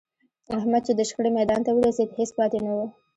احمد چې د شخړې میدان ته ورسېد، هېڅ پاتې نه و.